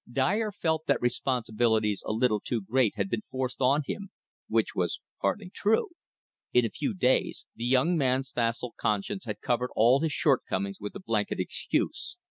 Dyer felt that responsibilities a little too great had been forced on him, which was partly true. In a few days the young man's facile conscience had covered all his shortcomings with the blanket excuse.